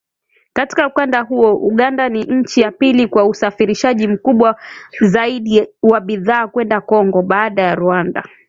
Katika ukanda huo, Uganda ni nchi ya pili kwa usafirishaji mkubwa zaidi wa bidhaa kwenda Kongo, baada ya Rwanda